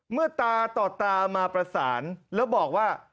เมื่อตาต่อตามาประสานแล้วบอกว่า